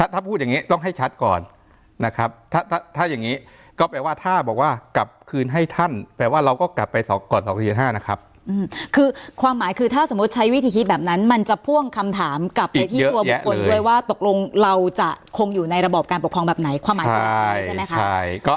ถ้าพูดอย่างนี้ต้องให้ชัดก่อนนะครับถ้าอย่างนี้ก็แปลว่าถ้าบอกว่ากลับคืนให้ท่านแปลว่าเราก็กลับไปก่อน๒๔๕นะครับคือความหมายคือถ้าสมมุติใช้วิธีคิดแบบนั้นมันจะพ่วงคำถามกลับไปที่ตัวบุคคลด้วยว่าตกลงเราจะคงอยู่ในระบอบการปกครองแบบไหนความหมายขนาดนี้ใช่ไหมคะ